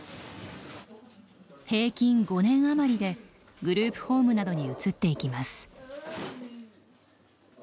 平均５年余りでグループホームなどに移っていきます。